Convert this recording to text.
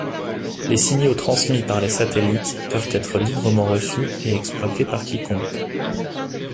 Les signaux transmis par les satellites peuvent être librement reçus et exploités par quiconque.